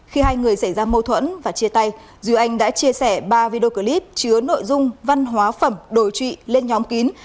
khi hai người xảy ra mâu thuẫn và chia tay duy anh đã chia sẻ ba video clip chứa nội dung văn hóa phẩm đổi trụy lên nhóm kín